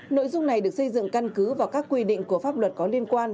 nội dung này được xây dựng căn cứ vào các quy định của pháp luật có liên quan